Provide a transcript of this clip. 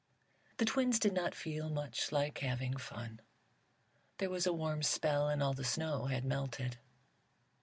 The twins did not feel much like having fun. There was a warm spell, and all the snow had melted.